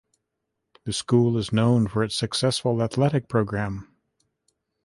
The school is known for its successful athletic program.